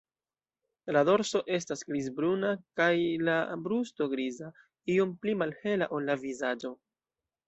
La dorso estas grizbruna kaj la brusto griza, iom pli malhela ol la vizaĝo.